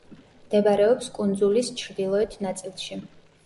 მდებარეობს კუნძულის ჩრდილოეთ ნაწილში.